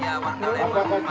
iya atau sah